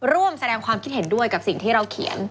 ร่วมแสดงความคิดเห็นด้วยกับสิ่งที่เราเขียน